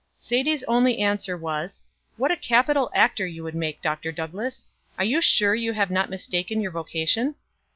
Sadie's only answer was: "What a capital actor you would make, Dr. Douglass. Are you sure you have not mistaken your vocation?"